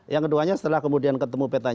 yang keduanya setelah kemudian ketemu petanya